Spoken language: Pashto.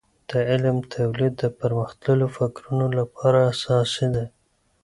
د علم تولید د پرمختللیو فکرونو لپاره اساسي ده.